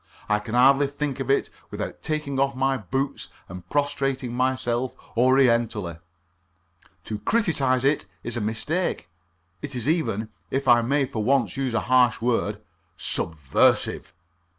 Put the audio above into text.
I can hardly think of it without taking off my boots and prostrating myself orientally. To criticize it is a mistake; it is even, if I may for once use a harsh word, subversive.